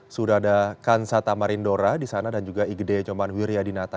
sudah ada kansa tamarindora di sana dan juga igede nyoman wiryadinata